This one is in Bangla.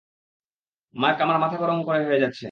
মার্ক আমার মাথা গরম হয়ে যাচ্ছে।